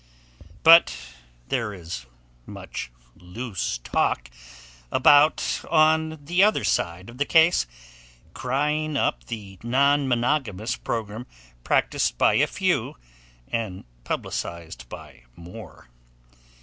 But there is much loose talk about on the other side of the case, crying up the non monogamous program practiced by a few and publicized by more.